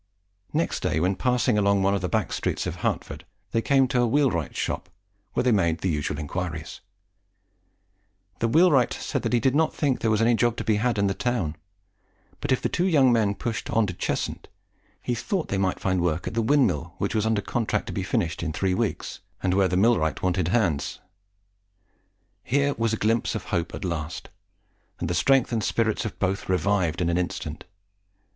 Next day, when passing along one of the back streets of Hertford, they came to a wheelwright's shop, where they made the usual enquiries. The wheelwright, said that he did not think there was any job to be had in the town; but if the two young men pushed on to Cheshunt, he thought they might find work at a windmill which was under contract to be finished in three weeks, and where the millwright wanted hands. Here was a glimpse of hope at last; and the strength and spirits of both revived in an instant.